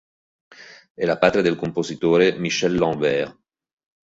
È patria del compositore Michel Lambert.